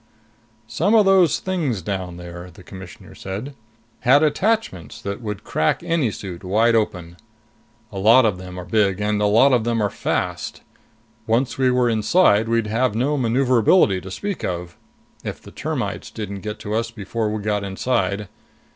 "Some of those things down there," the Commissioner said, "had attachments that would crack any suit wide open. A lot of them are big, and a lot of them are fast. Once we were inside, we'd have no maneuverability to speak of. If the termites didn't get to us before we got inside.